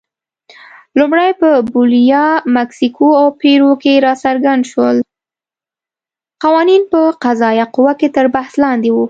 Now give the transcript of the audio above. قوانین په قضایه قوه کې تر بحث لاندې وو.